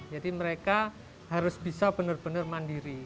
jadi mereka harus bisa benar benar mandiri